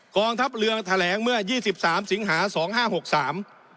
กองทัพเรือแถลงเมื่อยี่สิบสามสิงหาสองห้าหกสาม